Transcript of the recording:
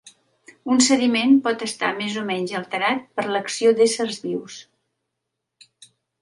Un sediment pot estar més o menys alterat per l'acció d'éssers vius.